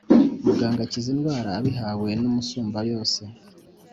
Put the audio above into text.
Muganga akiza indwara abihawe n’Umusumbayose,